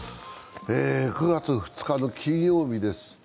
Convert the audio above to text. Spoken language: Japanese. ９月２日の金曜日です。